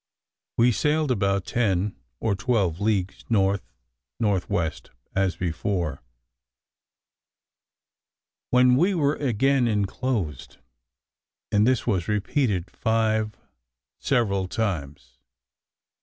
We sailed about ten or twelve leagues north north west as before, when we were again enclosed; and this was repeated five several times.